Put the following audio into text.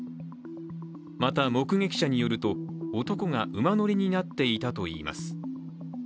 また、目撃者によると、男が馬乗りになっていたといいます。